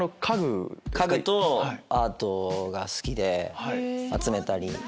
家具とアートが好きで集めたり。